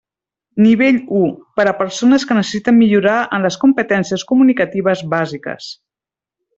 Nivell u, per a persones que necessiten millorar en les competències comunicatives bàsiques.